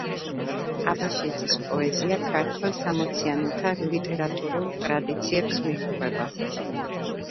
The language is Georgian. აბაშიძის პოეზია ქართველ „სამოციანელთა“ ლიტერატურულ ტრადიციებს მიჰყვება.